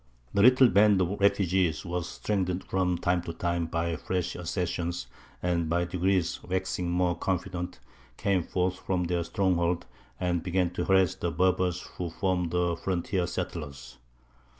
The little band of refugees was strengthened from time to time by fresh accessions, and, by degrees waxing more confident, came forth from their stronghold, and began to harass the Berbers who formed the frontier settlers.